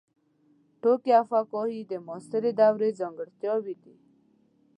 ټوکي او فکاهي د معاصرې دورې ځانګړتیاوې دي.